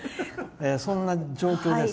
そんな状況です。